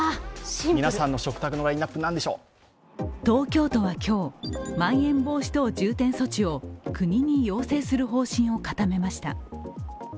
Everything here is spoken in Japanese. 東京都は今日、まん延防止等重点措置を国に要請する方針を固めました。